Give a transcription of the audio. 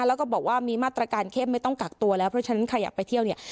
แล้วก็บอกว่ามีมาตรการเข้มไม่ต้องกักตัวแล้วเพราะฉะนั้นใครอยากไปเที่ยวเนี่ย